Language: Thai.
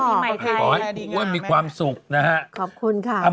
ขอบคุณคุณว่ามีความสุขนะฮะขอบคุณค่ะ